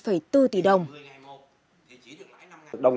thế chỉ được lái năm ngàn